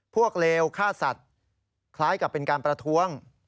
เลวฆ่าสัตว์คล้ายกับเป็นการประท้วง